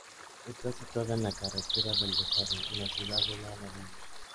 Está situada en la Carretera del Rosario, en la ciudad de La Laguna.